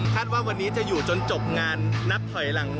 ว่าวันนี้จะอยู่จนจบงานนับถอยหลัง